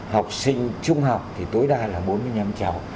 học sinh trung học thì tối đa là bốn mươi năm cháu